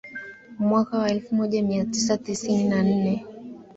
Mwaka wa elfu moja mia tisa tisini na nne